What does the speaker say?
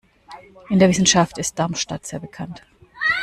In der Wissenschaft ist Darmstadt sehr bekannt.